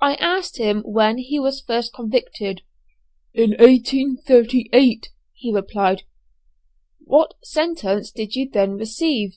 I asked him when he was first convicted. "In 1838," he replied. "What sentence did you then receive?"